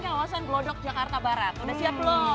kawasan glodok jakarta barat udah siap belum